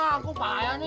ah kong payah nih